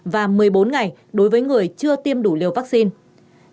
và một mươi bốn ngày đối với người chưa tiêm đủ liều vaccine